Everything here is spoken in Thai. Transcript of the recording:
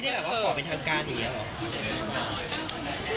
แบบว่าขอเป็นทางการอย่างนี้หรอ